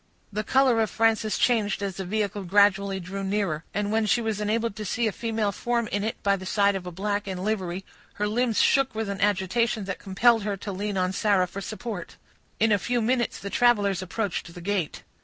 The color of Frances changed as the vehicle gradually drew nearer; and when she was enabled to see a female form in it by the side of a black in livery, her limbs shook with an agitation that compelled her to lean on Sarah for support. In a few minutes the travelers approached the gate.